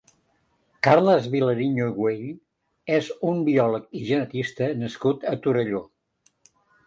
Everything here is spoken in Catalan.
Carles Vilariño-Güell és un biòleg i genetista nascut a Torelló.